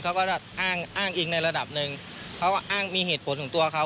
เขาก็จะอ้างอ้างอิงในระดับหนึ่งเขาก็อ้างมีเหตุผลของตัวเขา